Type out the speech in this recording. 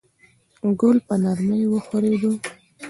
ګل په نرمۍ وښورېد.